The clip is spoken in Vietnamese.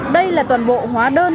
đây là toàn bộ hóa đơn